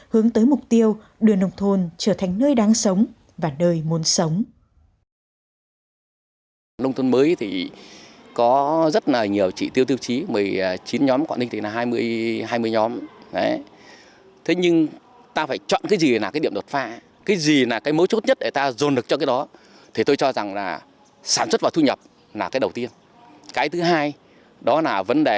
hướng tới mục tiêu đưa nông thuận trở thành nơi đáng sống và nơi muốn sống